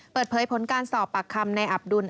เปิดเผยผลการสอบปากคำในอับดุล